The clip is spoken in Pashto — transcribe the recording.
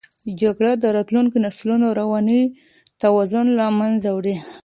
جګړه د راتلونکو نسلونو رواني توازن له منځه وړي.